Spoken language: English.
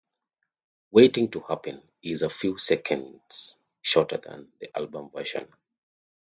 "Waiting To Happen" is a few seconds shorter than the album version.